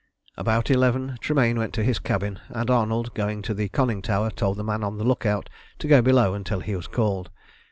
About eleven Tremayne went to his cabin, and Arnold, going to the conning tower, told the man on the look out to go below until he was called.